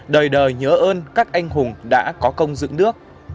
đời đời nhớ ơn các anh hùng đã có công dựng nước